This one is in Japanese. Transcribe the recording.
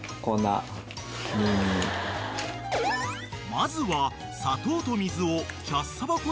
［まずは］